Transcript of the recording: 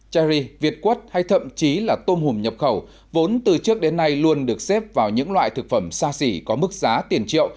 cherry việt quất hay thậm chí là tôm hùm nhập khẩu vốn từ trước đến nay luôn được xếp vào những loại thực phẩm xa xỉ có mức giá tiền triệu